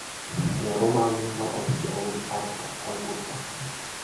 Ja romaanilla olisi ollut arvokas alkunsa.